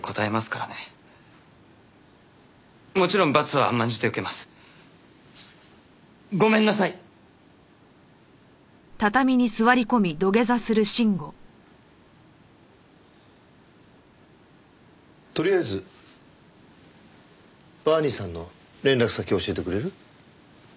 とりあえずバーニーさんの連絡先教えてくれる？